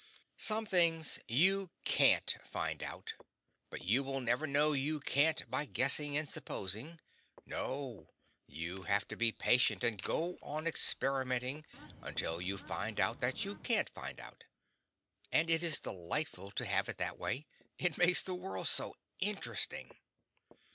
Some things you CAN'T find out; but you will never know you can't by guessing and supposing: no, you have to be patient and go on experimenting until you find out that you can't find out. And it is delightful to have it that way, it makes the world so interesting.